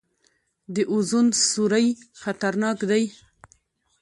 د اوزون سورۍ خطرناک دی